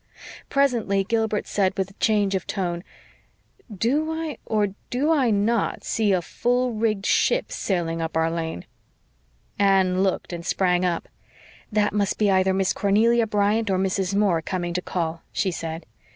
Presently Gilbert said, with a change of tone, "Do I or do I not see a full rigged ship sailing up our lane?" Anne looked and sprang up. "That must be either Miss Cornelia Bryant or Mrs. Moore coming to call," she said.